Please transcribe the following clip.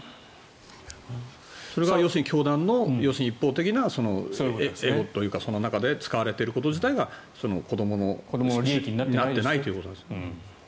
それが要するに教団の一方的なエゴというかそれに使われていること自体が子どもの利益になっていないということですね。